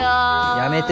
やめて。